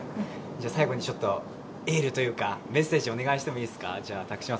最後にエールというか、メッセージをお願いしてもいいですか。